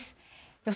予想